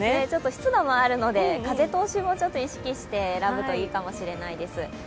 湿度もあるので風通しも意識して選ぶといいかもしれないです。